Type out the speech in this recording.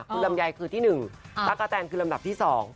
คุณลำไยคือที่๑ตั๊กกะแตนคือลำดับที่๒